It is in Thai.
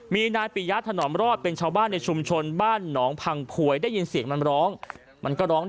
มีนายปิยะถนอมรอดเป็นชาวบ้านในชุมชนบ้านหนองพังผวยได้ยินเสียงมันร้องมันก็ร้อง